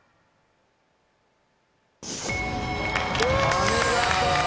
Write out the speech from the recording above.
お見事！